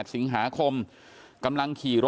เดี๋ยวให้กลางกินขนม